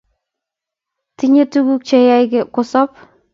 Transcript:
tinyei tuguk cheyoe kosop